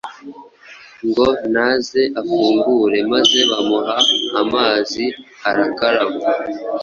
ngo naze afungure. Maze bamuha amazi arakaraba,